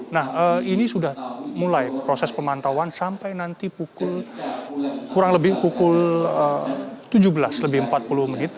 nah ini sudah mulai proses pemantauan sampai nanti kurang lebih pukul tujuh belas lebih empat puluh menit